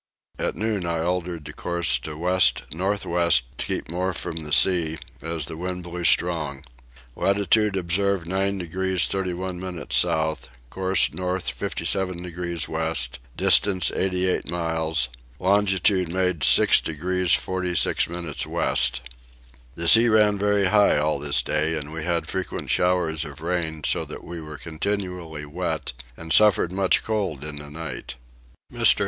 At noon I altered the course to the west north west to keep more from the sea, as the wind blew strong. Latitude observed 9 degrees 31 minutes south; course north 57 degrees west, distance 88 miles; longitude made 6 degrees 46 minutes west. The sea ran very high all this day and we had frequent showers of rain so that we were continually wet and suffered much cold in the night. Mr.